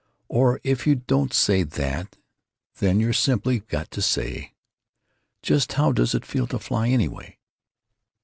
or if you don't say that then you've simply got to say, 'Just how does it feel to fly, anyway?'